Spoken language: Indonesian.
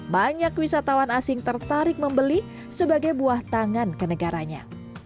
banyak wisatawan asing tertarik membeli sebagai buah tangan ke negaranya